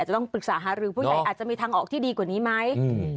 ต้องปรึกษาหารือผู้ใหญ่อาจจะมีทางออกที่ดีกว่านี้ไหม